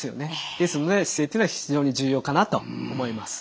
ですので姿勢っていうのは非常に重要かなと思います。